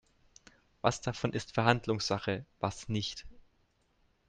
Was davon ist Verhandlungssache, was nicht?